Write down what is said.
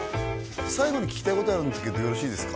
最後に聞きたいことがあるんですけどよろしいですか？